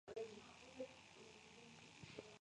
Firmó para Cerro Porteño.